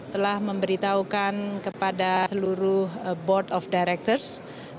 telah memberitahukan kepada seluruh board of directors